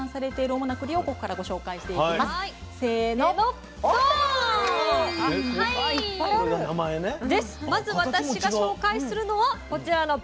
まず私が紹介するのはこちらの「ぽろたん」。